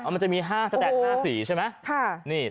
มันจะมี๕สแตน๕๔ใช่ไหม